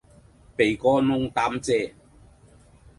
鼻哥窿擔遮